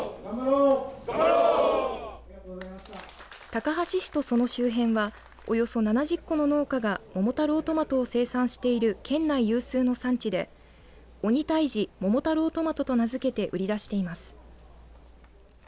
高梁市とその周辺はおよそ７０戸の農家が桃太郎トマトを生産している県内有数の産地で鬼退治桃太郎トマトと名付けて売り出しています。